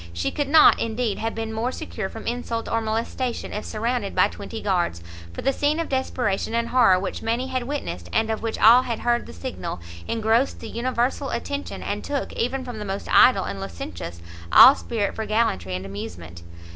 She could not, indeed, have been more secure from insult or molestation if surrounded by twenty guards; for the scene of desperation and horror which many had witnessed, and of which all had heard the signal, engrossed the universal attention, and took, even from the most idle and licentious, all spirit for gallantry and amusement.